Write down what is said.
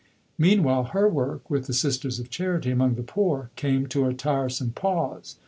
Meanwhile her work with the Sisters of Charity among the poor came to a tiresome pause.